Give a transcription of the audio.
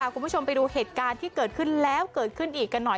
คุณผู้ชมไปดูเหตุการณ์ที่เกิดขึ้นแล้วเกิดขึ้นอีกกันหน่อย